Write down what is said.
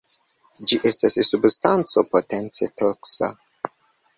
Ĝi estas substanco potence toksa.